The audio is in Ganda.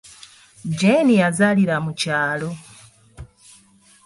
Jeeni yazaalira mu kyalo.